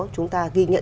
chúng ta ghi nhận